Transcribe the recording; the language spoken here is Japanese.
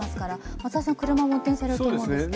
松田さん、車を運転されると思うんですが。